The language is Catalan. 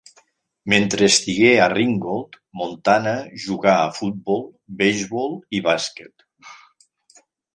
Mentre estigué a Ringgold, Montana jugà a futbol, beisbol i bàsquet.